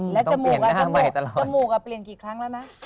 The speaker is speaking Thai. แล้วจมูกจมูกเปลี่ยนกี่ครั้งแล้วนะ